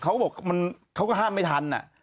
เขาบอกเขาก็ห้ามไม่ทัน